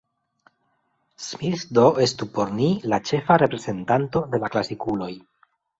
Smith do estu por ni la ĉefa reprezentanto de la klasikuloj.